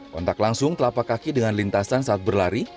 kontak langsung telapak kaki dengan lintasan saat berlari